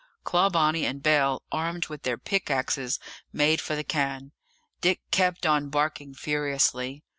Clawbonny and Bell, armed with their pickaxes made for the cairn. Dick kept on barking furiously.